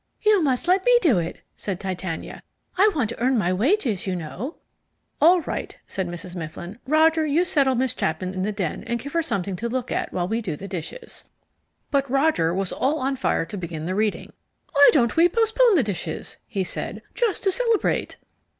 "You must let me do it," said Titania. "I want to earn my wages, you know." "All right," said Mrs. Mifflin; "Roger, you settle Miss Chapman in the den and give her something to look at while we do the dishes." But Roger was all on fire to begin the reading. "Why don't we postpone the dishes," he said, "just to celebrate?"